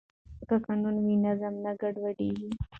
که قانون وي نو نظم نه ګډوډیږي.